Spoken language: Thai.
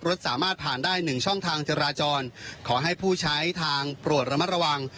รถสามารถผ่านได้หนึ่งช่องทางจราจรขอให้ผู้ใช้ทางโปรดระมัดระวัง